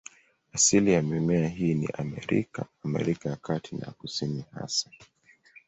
Asilia ya mimea hii ni Amerika, Amerika ya Kati na ya Kusini hasa.